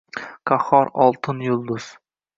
Qahhor, Oltin yulduz